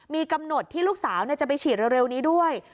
มีกำหนดที่ลูกสาวจะไปฉีดเร็วนี้ด้วย